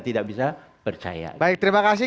tidak bisa percaya baik terima kasih